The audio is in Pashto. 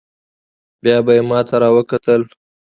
بيا به يې ما ته راوکتل.